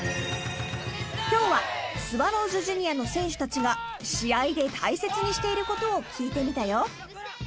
［今日はスワローズジュニアの選手たちが試合で大切にしていることを聞いてみたよ］